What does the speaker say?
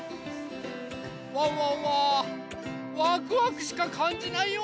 ワンワンはワクワクしかかんじないよ。